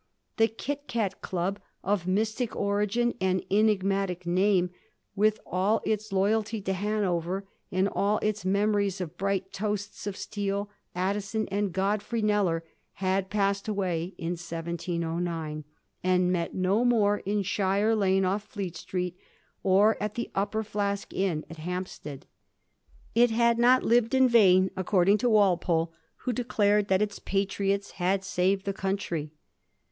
The ^ Kit Kat' Club, of mystic origin and enigmatic name, with all its loyalty to Hanover and all its memories of bright toasts, of Steele, Addison, and Godfrey Kneller, had passed away in 1709, and met no more in Shire Lane, off Fleet Street, or at the * Upper Flask ' Inn at Hampstead. It had not lived iQ vain, according to Walpole, who declared that its patriots had saved the country.